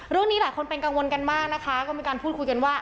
เรื่องนี้หลายคนเป็นกังวลกันมากนะคะก็มีการพูดคุยกันว่า